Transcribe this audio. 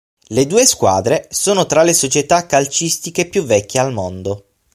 Le due squadre sono tra le società calcistiche più vecchie al mondo.